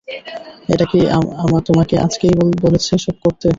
এটা কি তোমাকে আজকেই বলেছে এসব করতে?